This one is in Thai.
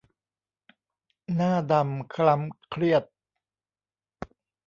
หน้าดำคล้ำเครียด